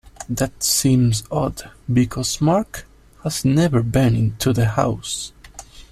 That seems odd because Mark has never been to the house.